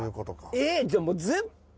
えっじゃあもう。